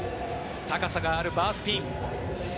高さがあるバースピン。